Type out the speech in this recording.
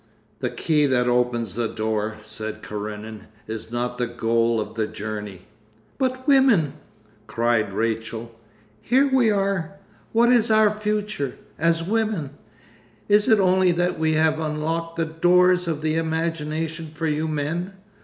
'The key that opens the door,' said Karenin, 'is not the goal of the journey.' 'But women!' cried Rachel. 'Here we are! What is our future—as women? Is it only that we have unlocked the doors of the imagination for you men?